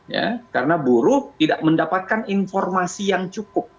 ya karena buruh tidak mendapatkan informasi yang cukup